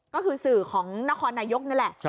ก็คือสื่อของนครนายกนี่แหละ